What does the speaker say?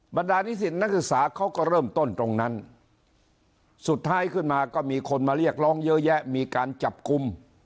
บรรดานิสิตนักศึกษาเขาก็เริ่มต้นตรงนั้นสุดท้ายขึ้นมาก็มีคนมาเรียกร้องเยอะแยะมีการจับกลุ่ม